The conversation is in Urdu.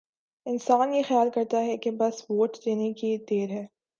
انسان یہ خیال کرتا ہے کہ بس ووٹ دینے کی دیر ہے۔